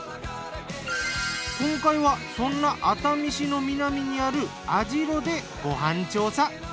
今回はそんな熱海市の南にある網代でご飯調査。